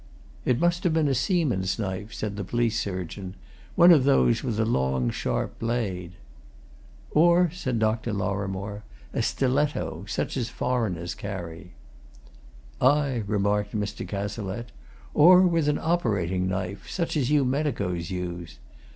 "It might have been a seaman's knife," said the police surgeon. "One of those with a long, sharp blade." "Or," said Dr. Lorrimore, "a stiletto such as foreigners carry." "Aye," remarked Mr. Cazalette, "or with an operating knife such as you medicos use.